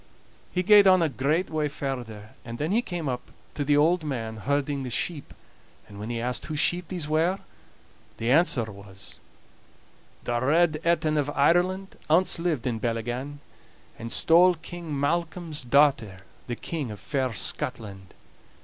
He gaed on a great way farther, and then he came up to the old man herding the sheep; and when he asked whose sheep these were, the answer was: "The Red Etin of Ireland Ance lived in Bellygan, And stole King Malcolm's daughter, The King of fair Scotland.